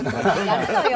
やるのよ。